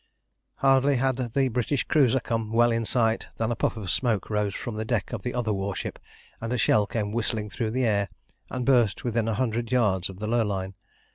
Hardly had the British cruiser come well in sight than a puff of smoke rose from the deck of the other warship, and a shell came whistling through the air, and burst within a hundred yards of the Lurline.